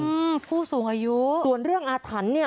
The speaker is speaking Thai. อืมผู้สูงอายุส่วนเรื่องอาถรรพ์เนี่ย